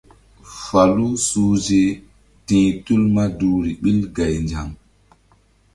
Falu suhze si ti̧h tul maduhri ɓil gaynzaŋ.